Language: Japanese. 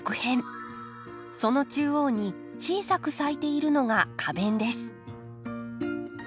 その中央に小さく咲いているのが花弁です。